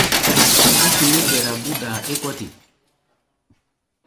Ó toyó kɛra búdaa é kɔ́ te.